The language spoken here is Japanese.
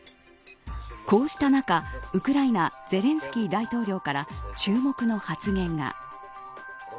こうした中、ウクライナゼレンスキー大統領から注目の発言が。